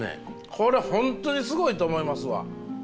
これ本当にすごいと思いますわ。